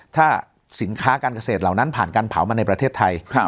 ถ้าสินค้าการเกษตรเหล่านั้นผ่านการเผามาในประเทศไทย